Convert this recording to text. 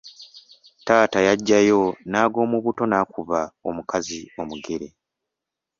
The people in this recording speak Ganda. Taata yaggyayo n’ag’omubuto n’akuba omukazi omugere.